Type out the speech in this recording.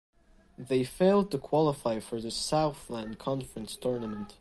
They failed to qualify for the Southland Conference tournament.